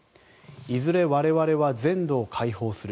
いずれ我々は全土を解放する。